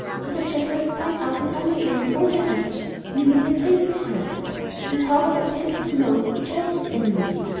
And the jackals sprang up and ran away in all directions, leaving their tails behind them. And how was the panther to know which was his enemy?